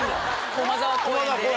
駒沢公園？